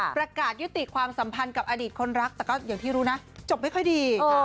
ประกาศยุติความสัมพันธ์กับอดีตคนรักแต่ก็อย่างที่รู้นะจบไม่ค่อยดี